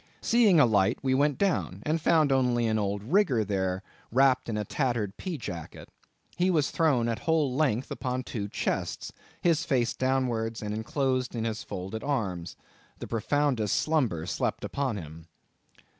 Seeing a light, we went down, and found only an old rigger there, wrapped in a tattered pea jacket. He was thrown at whole length upon two chests, his face downwards and inclosed in his folded arms. The profoundest slumber slept upon him.